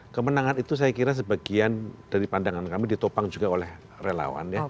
kemenangan itu saya kira sebagian dari pandangan kami ditopang juga oleh relawan ya